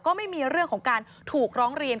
ก็ไม่มีเรื่องของการถูกร้องเรียน